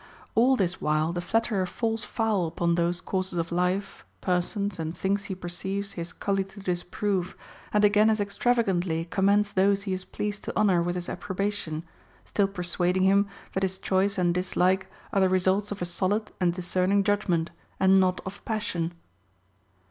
All this while the flatterer falls foul upon those courses of life, persons, and things he perceives his cully to disap prove, and again as extravagantly commends those he is pleased to honor with his approbation, still persuading him that his choice and dislike are the results of a solid and discerning judgment and not of passion.